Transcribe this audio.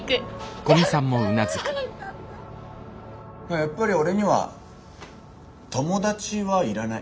やっぱり俺には友達はいらない。